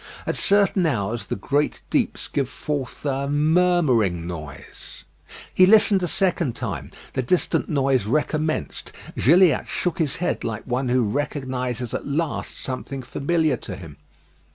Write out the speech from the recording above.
At certain hours the great deeps give forth a murmuring noise. He listened a second time. The distant noise recommenced. Gilliatt shook his head like one who recognises at last something familiar to him.